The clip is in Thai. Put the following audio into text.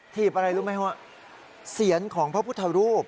ถีบอะไรรู้ไหมฮะเสียงของพระพุทธรูป